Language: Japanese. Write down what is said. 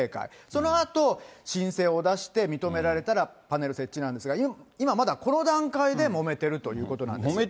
そのあと、申請を出して認められたらパネル設置なんですが、今まだ、この段階でもめてるということなんですね。